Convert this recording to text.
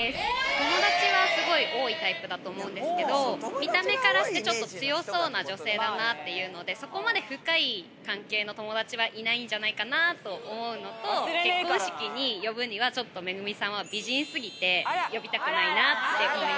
友達はすごい多いタイプだと思うんですけど、見た目からしてちょっと強そうな女性だなっていうので、そこまで深い関係の友達はいないんじゃないかと思うのと、結婚式に呼ぶには、ちょっとＭＥＧＵＭＩさんは美人すぎて、呼びたくないなって思い